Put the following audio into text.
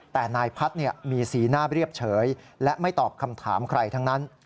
แต่นายพัฒน์มีสีหน้าเรียบเฉยและไม่ตอบคำถามใครทั้งนั้น